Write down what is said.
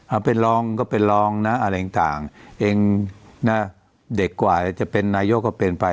เอาเป็นรองก็เป็นรองนะอะไรต่างเองนะเด็กกว่าจะเป็นนายกก็เป็นไป